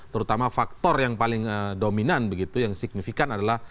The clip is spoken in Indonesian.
terutama faktor yang paling dominan begitu yang signifikan adalah